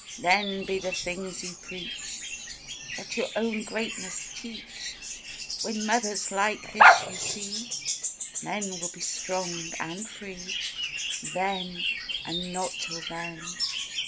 Then Be the things you preach! Let your own greatness teach! When Mothers like this you see Men will be strong and free Then, and not till then!